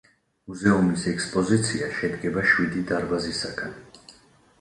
მუზეუმის ექსპოზიცია შედგება შვიდი დარბაზისაგან.